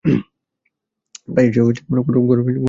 প্রায়ই সে ঘর পর্যন্ত এসে পৌঁছয় না।